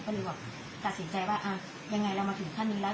ก็เลยแบบตัดสินใจว่ายังไงเรามาถึงขั้นนี้แล้ว